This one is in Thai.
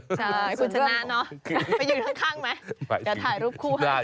ใช่ขุนชนะเนอะไปอยู่ข้างไหมจะถ่ายรูปคู่ฮะ